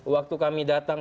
waktu kami datang